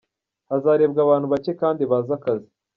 Hazarebwa abantu bake kandi bazi akazi.